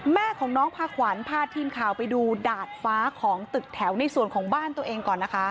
แม่ของน้องพาขวัญพาทีมข่าวไปดูดาดฟ้าของตึกแถวในส่วนของบ้านตัวเองก่อนนะคะ